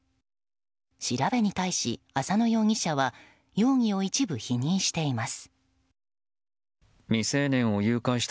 調べに対し、浅野容疑者は容疑を一部否認しています。